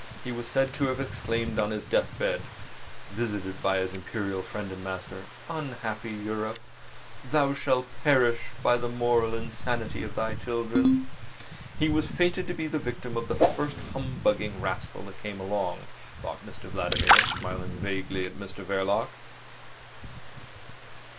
He was said to have exclaimed on his deathbed (visited by his Imperial friend and master): "Unhappy Europe! Thou shalt perish by the moral insanity of thy children!" He was fated to be the victim of the first humbugging rascal that came along, thought Mr Vladimir, smiling vaguely at Mr Verloc.